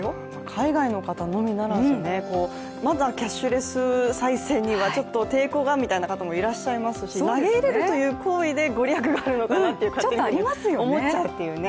海外の方のみならずまだキャッシュレスさい銭には抵抗がという方もいらっしゃいますし投げ入れるという行為で御利益があるのかなって思っちゃうっていうね。